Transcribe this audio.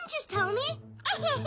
アハハ！